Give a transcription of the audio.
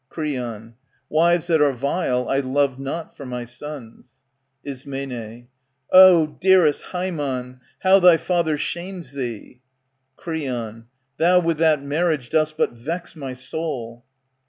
Creon, Wives that are vile I love not for my sons. Ism, Ah, dearest Haemon, how thy father shames thee ! Creon, Thou with that marriage dost but vex my soul.